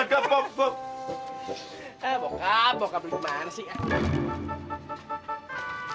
kamu kabur kabur kabur kemana sih kamu